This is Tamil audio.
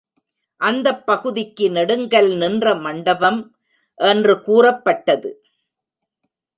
அந்தப் பகுதிக்கு நெடுங்கல்நின்ற மண்டபம் என்று கூறப்பட்டது.